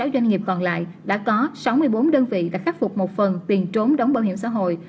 một mươi doanh nghiệp còn lại đã có sáu mươi bốn đơn vị đã khắc phục một phần tiền trốn đóng bảo hiểm xã hội